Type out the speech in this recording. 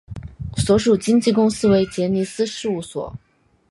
所属经纪公司为杰尼斯事务所。